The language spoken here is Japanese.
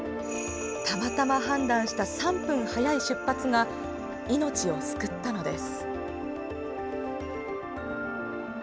たまたま判断した３分早い出発が命を救ったのです。